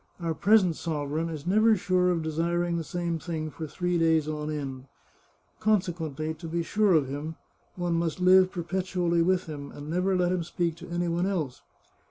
Our present sovereign is never sure of desir ing the same thing for three days on end. Consequently, to be sure of him, one must live perpetually with him, and never let him speak to any one else.